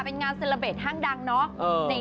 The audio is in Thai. เป็นงานเศรษฐ์ห้างดังเนาะ